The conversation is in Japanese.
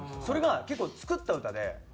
それが結構作った歌で。